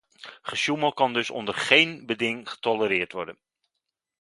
Gesjoemel kan dus onder geen beding getolereerd worden.